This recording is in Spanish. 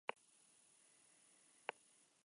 El objeto se puede rotar el ángulo que se desee.